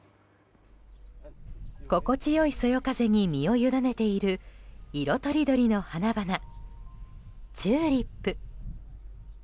心地良いそよ風に身を委ねている色とりどりの花々チューリップ。